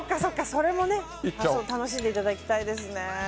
それも楽しんでいただきたいですね。